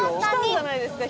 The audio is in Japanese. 「きたんじゃないですか？